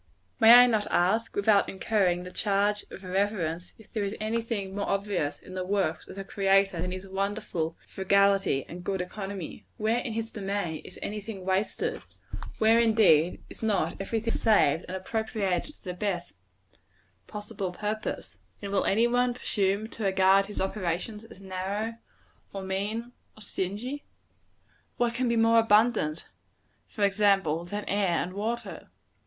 May I not ask, without incurring the charge of irreverence, if there is any thing more obvious, in the works of the Creator, than his wonderful frugality and good economy? Where, in his domain, is any thing wasted? Where, indeed, is not every thing saved and appropriated to the best possible purpose? And will any one presume to regard his operations as narrow, or mean, or stingy? What can be more abundant, for example, than air and water?